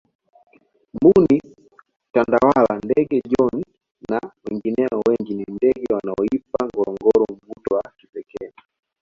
mbuni tandawala ndege John na wengineo wengi ni ndege wanaoipa ngorongoro mvuto wa kipekee